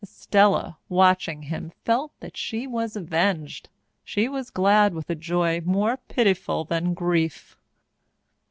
Estella, watching him, felt that she was avenged. She was glad with a joy more pitiful than grief.